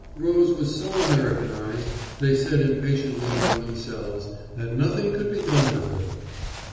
Rose was so Americanized, they said impatiently among themselves, that nothing could be done with her.